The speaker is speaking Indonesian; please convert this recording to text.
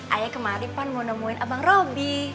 ayah kemari mau nemuin abang robi